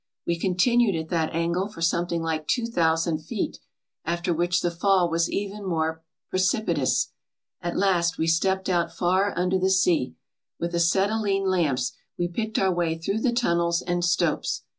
We con tinued at that angle for something like two thousand feet, after which the fall was even more precipitous. At last we stepped out far under the sea. With acetylene lamps we picked our way through the tunnels and stopes.